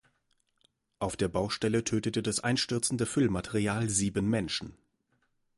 Auf der Baustelle tötete das einstürzende Füllmaterial sieben Menschen.